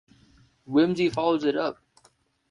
Wimsey follows it up.